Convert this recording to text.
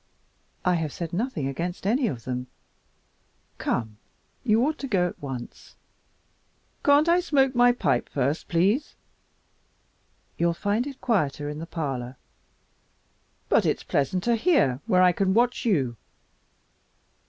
"I have said nothing against any of them. Come, you ought to go at once." "Can't I smoke my pipe first please?" "You'll find it quieter in the parlor." "But it's pleasanter here where I can watch you."